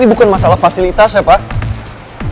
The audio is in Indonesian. ini bukan masalah fasilitasnya pak